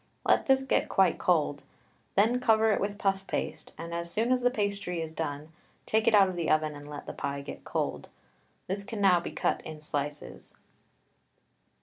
Let this get quite cold, then cover it with puff paste, and as soon as the pastry is done take it out of the oven and let the pie get cold. This can now be cut in slices.